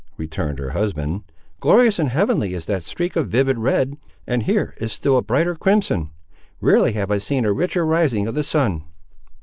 returned her husband. "Glorious and heavenly is that streak of vivid red, and here is a still brighter crimson; rarely have I seen a richer rising of the sun.